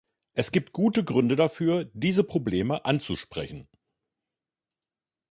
Es gibt gute Gründe dafür, diese Probleme anzusprechen.